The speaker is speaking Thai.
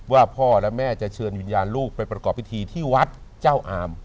ว่าพ่อและแม่จะเชิญวิญญาณลูกไปประกอบพิธีที่วัดเจ้าอาม